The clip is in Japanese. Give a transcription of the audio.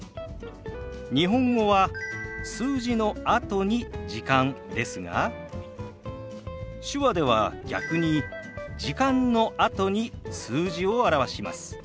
日本語は数字のあとに「時間」ですが手話では逆に「時間」のあとに数字を表します。